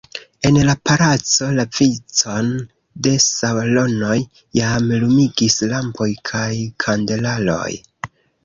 En la palaco la vicon de salonoj jam lumigis lampoj kaj kandelaroj.